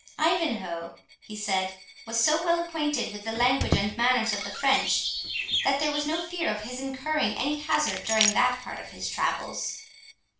"Ivanhoe," he said, "was so well acquainted with the language and manners of the French, that there was no fear of his incurring any hazard during that part of his travels."